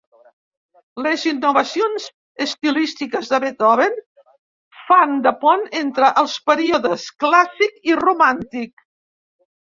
Les innovacions estilístiques de Beethoven fan de pont entre els períodes clàssic i romàntic.